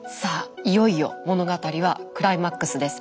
いよいよ物語はクライマックスです。